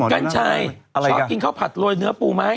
กัญชัยชอบกินข้าวผัดโรยเนื้อปูไหม